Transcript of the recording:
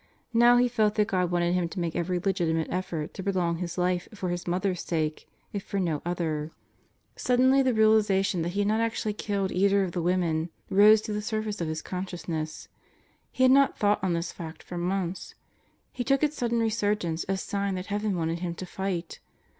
Now he felt that God wanted him to make every legitimate effort to prolong his life for his mother's sake, if for no other. Suddenly the realization 130 God Goes to Murderer's Row that he had not actually killed either of the women rose to the surface of his consciousness. He had not thought on this fact for months. He took its sudden resurgence as sign that heaven wanted him to fight.